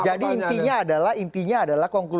jadi intinya adalah